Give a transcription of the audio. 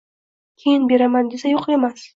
Keyin beraman, desa, yo‘q demas